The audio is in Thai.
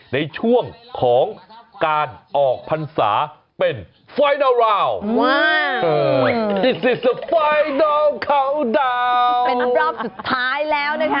ในช่วงของการออกพรรษาเป็นว้าวเป็นรอบสุดท้ายแล้วนะคะ